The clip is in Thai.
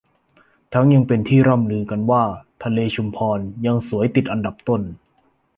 ทั้งยังเป็นที่ร่ำลือกันว่าทะเลชุมพรยังสวยติดอันดับต้น